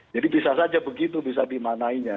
jadi bisa saja begitu bisa dimanainya